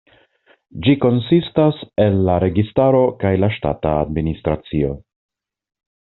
Ĝi konsistas el la registaro kaj la ŝtata administracio.